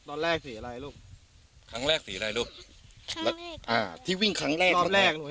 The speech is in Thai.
ตอนแรกสีอะไรลูกครั้งแรกสีอะไรลูกแล้วอ่าที่วิ่งครั้งแรกรอบแรกด้วย